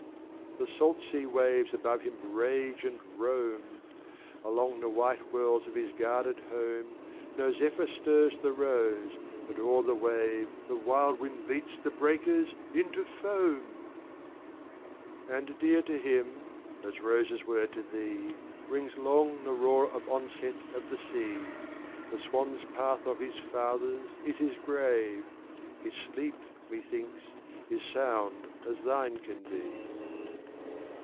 The salt Sea waves above him rage and roam! Along the white Walls of his guarded Home No Zephyr stirs the Rose, but o'er the wave The wild Wind beats the Breakers into Foam! And dear to him, as Roses were to thee, Rings long the Roar of Onset of the Sea; The Swan's Path of his Fathers is his grave: His sleep, methinks, is sound as thine can be.